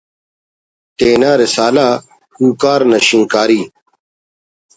تینا رسالہ ”کوکار“ نا شینکاری